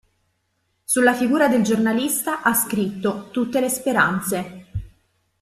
Sulla figura del giornalista ha scritto "Tutte le speranze.